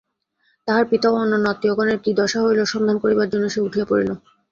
তাহার পিতা ও অন্যান্য আত্মীয়গণের কী দশা হইল সন্ধান করিবার জন্য সে উঠিয়া পড়িল।